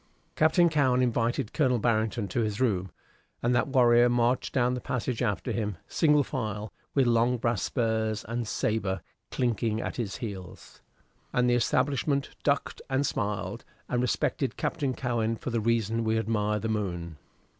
Captain Cowen invited Colonel Barrington to his room, and that warrior marched down the passage after him, single file, with long brass spurs and sabre clinking at his heels; and the establishment ducked and smiled, and respected Captain Cowen for the reason we admire the moon.